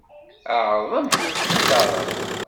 Ɛreḍ amek ur tettarraḍ.